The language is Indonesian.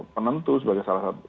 penentu sebagai salah satu